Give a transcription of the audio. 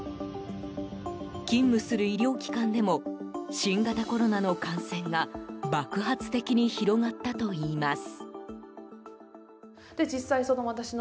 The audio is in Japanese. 勤務する医療機関でも新型コロナの感染が爆発的に広がったといいます。